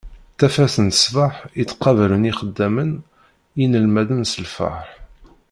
Tafat n sbeḥ i ttqabalen yixeddamen d yinelmaden s lferḥ.